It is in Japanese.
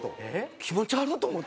気持ち悪っ！と思って。